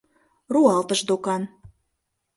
«Руалтышт докан!